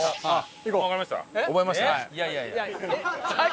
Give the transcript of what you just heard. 行こう。